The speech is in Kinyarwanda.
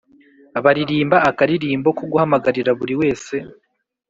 baririmba akaririmbo ko guhamagarira buri wese